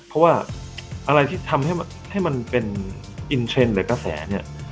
เพราะว่าอะไรที่ทำให้มันเป็นอินเทรนด์หรือกระแสเนี่ย